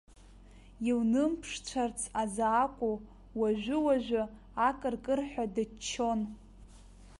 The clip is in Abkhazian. Илнымԥшцәарц азы акәу, уажәы-уажәы акыркырҳәа дыччон.